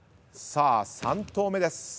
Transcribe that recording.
さあ３投目です。